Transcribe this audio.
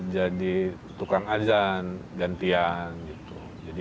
jadi tukang azan gantian gitu